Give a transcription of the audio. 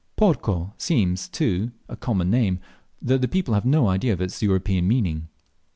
"Porco," too, seems a common name, though the people have no idea of its European meaning.